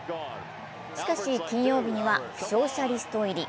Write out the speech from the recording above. しかし、金曜日には負傷者リスト入り。